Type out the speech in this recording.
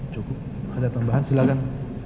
cukup ada tambahan silakan